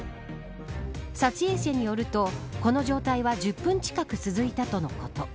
撮影者によると、この状態は１０分近く続いたとのこと。